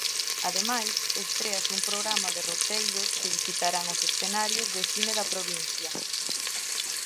Ademais, estréase un programa de roteiros que visitarán os escenarios de cine da provincia.